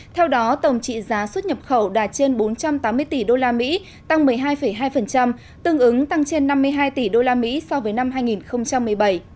theo đó tổng trị giá xuất nhập khẩu đạt trên bốn trăm tám mươi tỷ usd tăng một mươi hai hai tương ứng tăng trên năm mươi hai tỷ usd so với năm hai nghìn một mươi bảy